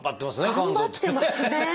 頑張ってますね！